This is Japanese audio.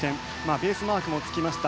ベースマークもつきました。